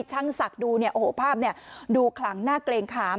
ช่างศักดิ์ดูเนี่ยโอ้โหภาพดูขลังหน้าเกรงขาม